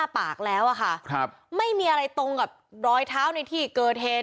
ปากแล้วอะค่ะครับไม่มีอะไรตรงกับรอยเท้าในที่เกิดเหตุ